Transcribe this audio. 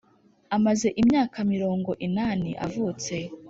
Amaze imyaka mirongo inani avutse.